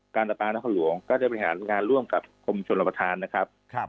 ประปานครหลวงก็จะบริหารงานร่วมกับกรมชนรับประทานนะครับ